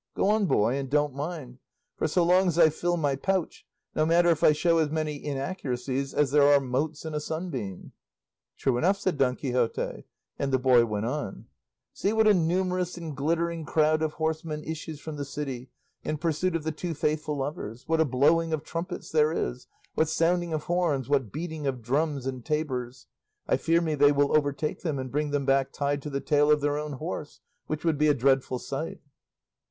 Go on, boy, and don't mind; for so long as I fill my pouch, no matter if I show as many inaccuracies as there are motes in a sunbeam." "True enough," said Don Quixote; and the boy went on: "See what a numerous and glittering crowd of horsemen issues from the city in pursuit of the two faithful lovers, what a blowing of trumpets there is, what sounding of horns, what beating of drums and tabors; I fear me they will overtake them and bring them back tied to the tail of their own horse, which would be a dreadful sight."